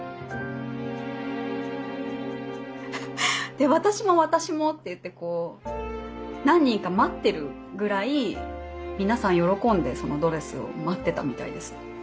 で「私も私も」っていって何人か待ってるぐらい皆さん喜んでそのドレスを待ってたみたいです。